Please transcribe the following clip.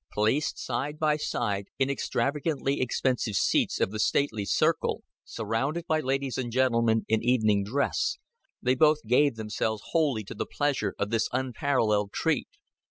Placed side by side in extravagantly expensive seats of the stately circle, surrounded by ladies and gentlemen in evening dress, they both gave themselves wholly to the pleasure of this unparalleled treat.